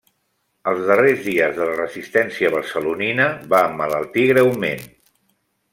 Els darrers dies de la resistència barcelonina va emmalaltir greument.